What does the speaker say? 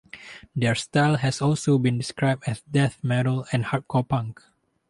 Their style has also been described as death metal and hardcore punk.